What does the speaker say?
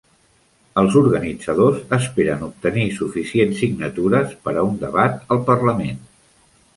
Els organitzadors esperen obtenir suficients signatures per a un debat al parlament.